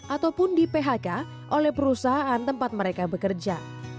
ataupun di phk oleh perusahaan tempat mereka bekerja